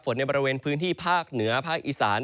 ในบริเวณพื้นที่ภาคเหนือภาคอีสาน